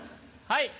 はい。